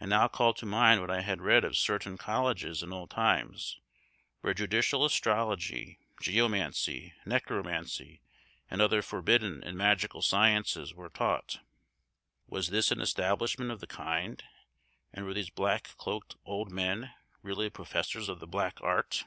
I now called to mind what I had read of certain colleges in old times, where judicial astrology, geomancy, necromancy, and other forbidden and magical sciences were taught. Was this an establishment of the kind, and were these black cloaked old men really professors of the black art?